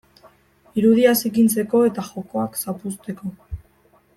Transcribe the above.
Irudia zikintzeko eta jokoak zapuzteko.